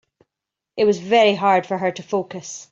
It was very hard for her to focus.